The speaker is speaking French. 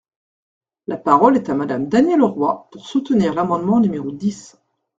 La parole est à Madame Danielle Auroi, pour soutenir l’amendement numéro dix.